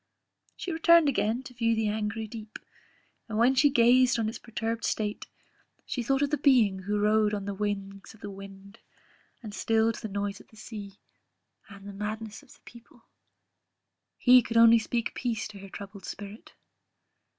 She returned again to view the angry deep; and when she gazed on its perturbed state, she thought of the Being who rode on the wings of the wind, and stilled the noise of the sea; and the madness of the people He only could speak peace to her troubled spirit!